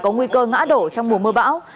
có nguy cơ ngã đổ trong mùa mưa bão